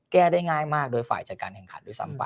แก้ได้ง่ายมากโดยฝ่ายจัดการแข่งขันด้วยซ้ำไป